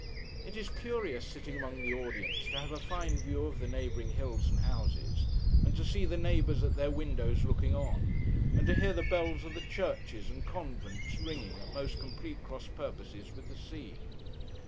It is curious, sitting among the audience, to have a fine view of the neighbouring hills and houses, and to see the neighbours at their windows looking on, and to hear the bells of the churches and convents ringing at most complete cross purposes with the scene.